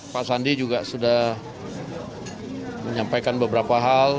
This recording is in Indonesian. pak sandi juga sudah menyampaikan beberapa hal